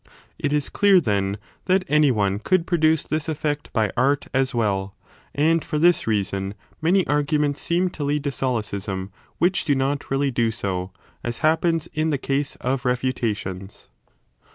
It is clear, then, that any one could produce this effect by art as well : and 1 i6s b 2o CHAPTER XIV r/3 b for this reason many arguments seem to lead to solecism which do not really do so, as happens in the case of refuta tions.